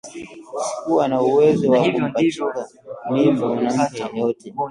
Sikuwa na uwezo wa kumpachika mimba mwanamke yeyote